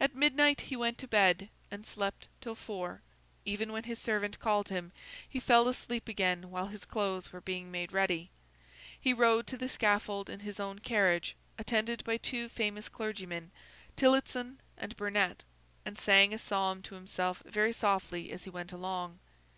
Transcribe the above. At midnight he went to bed, and slept till four; even when his servant called him, he fell asleep again while his clothes were being made ready. He rode to the scaffold in his own carriage, attended by two famous clergymen, Tillotson and Burnet, and sang a psalm to himself very softly, as he went along.